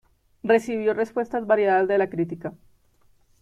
Recibió respuestas variadas de la crítica.